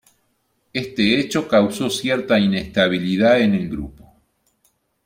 Este hecho causó cierta inestabilidad en el grupo.